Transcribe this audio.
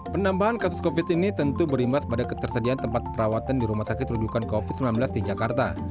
penambahan kasus covid sembilan belas ini tentu berimbas pada ketersediaan tempat perawatan di rumah sakit rujukan covid sembilan belas di jakarta